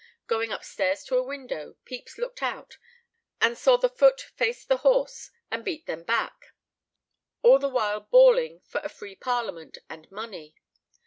Going upstairs to a window, Pepys looked out and saw the foot face the horse and beat them back, all the while bawling for a free parliament and money.